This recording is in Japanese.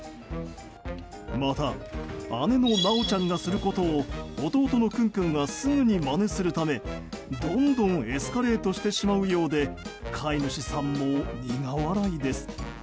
また、姉のナオちゃんがすることを弟のクン君がすぐにまねするためどんどんエスカレートしてしまうようで飼い主さんも苦笑いです。